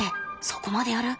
そこまでやる？